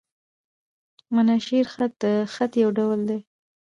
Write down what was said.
مناشیر خط؛ د خط یو ډول دﺉ.